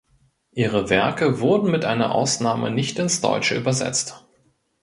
Ihre Werke wurden mit einer Ausnahme nicht ins Deutsche übersetzt.